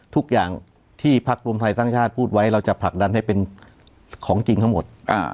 ทุกอย่างที่พักรวมไทยสร้างชาติพูดไว้เราจะผลักดันให้เป็นของจริงทั้งหมด